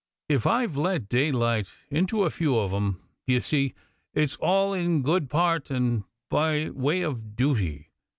If I've let daylight into a few of them, d'ye see, it's all in good part and by way of duty.